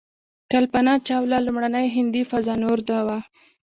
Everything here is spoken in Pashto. کلپنا چاوله لومړنۍ هندۍ فضانورده وه.